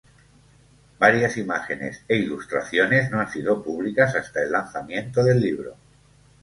Varias imágenes e ilustraciones no han sido públicas hasta el lanzamiento del libro.